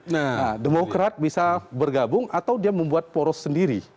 nah demokrat bisa bergabung atau dia membuat poros sendiri